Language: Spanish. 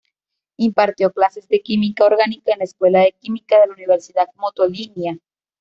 Impartió clases de química orgánica en la Escuela de Química de la Universidad Motolinía.